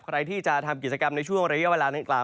ใครที่จะทำกิจกรรมในช่วงระยะเวลา